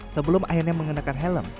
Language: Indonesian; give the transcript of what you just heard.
sebelum akhirnya mengenakan helm